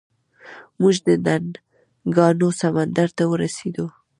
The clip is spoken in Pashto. موږ د نهنګانو سمندر ته ورسیدو.